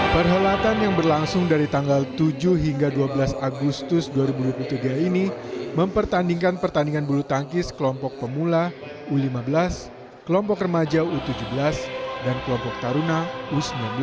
perhelatan yang berlangsung dari tanggal tujuh hingga dua belas agustus dua ribu dua puluh tiga ini mempertandingkan pertandingan bulu tangkis kelompok pemula u lima belas kelompok remaja u tujuh belas dan kelompok taruna u sembilan belas